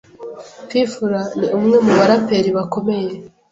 P Fla ni umwe mu baraperi bakomeye